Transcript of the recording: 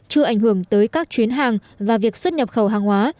chưa ảnh hưởng tới các chuyến hàng và việc xuất nhập khẩu hàng hóa